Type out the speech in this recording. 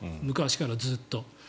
昔からずっと。